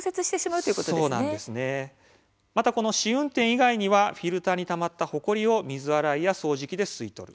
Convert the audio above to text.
また、試運転以外にはフィルターにたまったほこりを水洗いや掃除機で吸い取る。